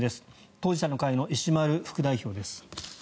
当事者の会の石丸副代表です。